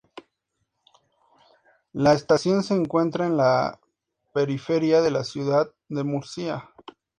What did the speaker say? La estación se encuentra en la periferia de la ciudad de Murcia.